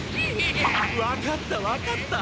分かった分かった。